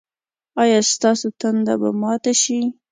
ایا ستاسو تنده به ماته شي؟